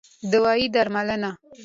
دوايي √ درملنه